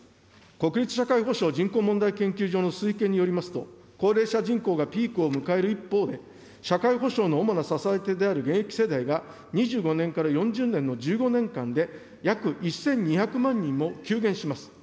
国立社会保障・人口問題研究所の推計によりますと、高齢者人口がピークを迎える一方で、社会保障の主な支え手である現役世代が２５年から４０年の１５年間で、約１２００万人も急減します。